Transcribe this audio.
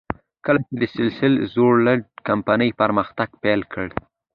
کله چې د سیسل روډز کمپنۍ پرمختګ پیل کړ.